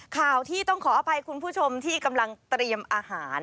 ข่าวที่ต้องขออภัยคุณผู้ชมที่กำลังเตรียมอาหาร